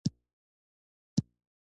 زه کرار درنیژدې کېږم له تنې دي بېلومه